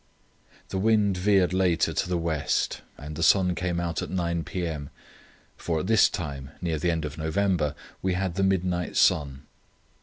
The wind veered later to the west, and the sun came out at 9 p.m. For at this time, near the end of November, we had the midnight sun.